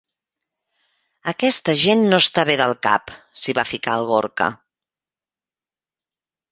Aquesta gent no està bé del cap —s'hi va ficar el Gorka—.